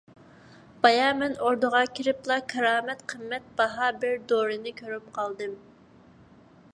بايا مەن ئوردىغا كىرىپلا كارامەت قىممەت باھا بىر دورىنى كۆرۈپ قالدىم.